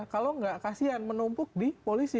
kalau nggak kasian menumpuk di polisi